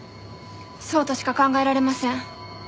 そうとしか考えられません。